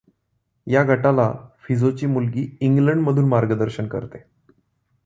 या गटाला फिझोची मुलगी इंग्लंडमधून मार्गदर्शन करते.